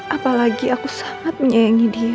apalagi aku sangat menyayangi dia